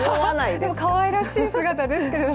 でもかわいらしい姿ですけども。